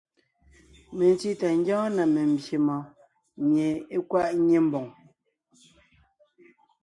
Mentí tà ńgyɔ́ɔn na membyè mɔɔn mie é kwaʼ ńnyé ḿboŋ.